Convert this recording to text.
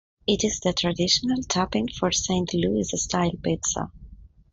It is the traditional topping for Saint Louis-style pizza.